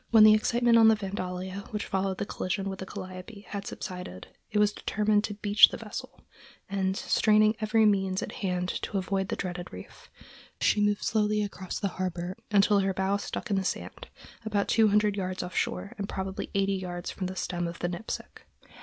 When the excitement on the Vandalia which followed the collision with the Calliope had subsided, it was determined to beach the vessel, and straining every means at hand to avoid the dreaded reef, she moved slowly across the harbor until her bow stuck in the sand, about two hundred yards off shore and probably eighty yards from the stem of the Nipsic.